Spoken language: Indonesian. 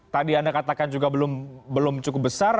tadi anda katakan juga belum cukup besar